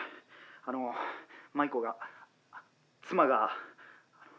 あの麻衣子が妻が。